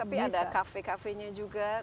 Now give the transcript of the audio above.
tapi ada cafe cafenya juga